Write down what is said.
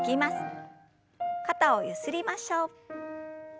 肩をゆすりましょう。